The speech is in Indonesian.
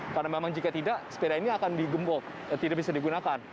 karena memang jika tidak sepeda ini akan digembok tidak bisa digunakan